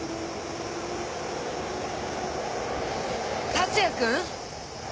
達也君！